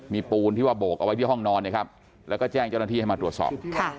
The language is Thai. มีปูนที่ว่าโบกเอาไว้ที่ห้องนอนนะครับแล้วก็แจ้งเจ้าหน้าที่ให้มาตรวจสอบ